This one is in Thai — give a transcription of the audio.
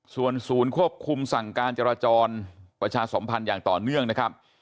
ส่วนศูนย์ควบคุมสั่งการจราจรประชาสมพันธ์อย่างต่อเนื่องนะครับ